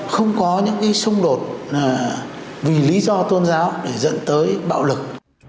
không có những cái xung đột vì lý do tôn giáo để dẫn tới bạo lực